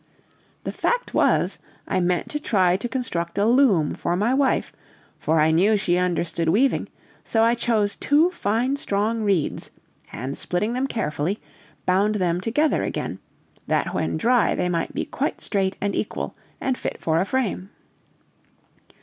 The fact was, I meant to try to construct a loom for my wife, for I knew she understood weaving, so I chose two fine strong reeds, and splitting them carefully, bound them together again, that when dry they might be quite straight and equal, and fit for a frame.